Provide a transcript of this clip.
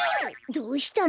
どうしたの？